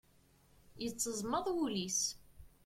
Yetteẓmaḍ wul-is.